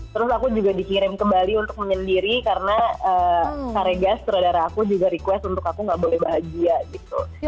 terus aku juga dikirim ke bali untuk menyendiri karena karegas saudara aku juga request untuk aku gak boleh bahagia gitu